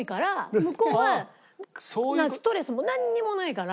向こうはストレスもなんにもないから。